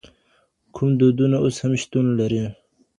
کوم دودونه اوس هم شتون لري؟